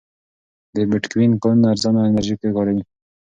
د بېټکوین کانونه ارزانه انرژي کاروي.